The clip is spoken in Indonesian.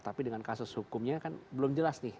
tapi dengan kasus hukumnya kan belum jelas nih